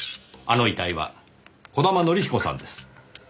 あの遺体は児玉則彦さんです。